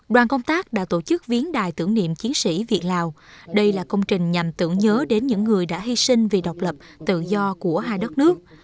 đoàn công tác đã tổ chức viếng đài tưởng niệm chiến sĩ việt lào đây là công trình nhằm tưởng nhớ đến những người đã hy sinh vì độc lập tự do của hai đất nước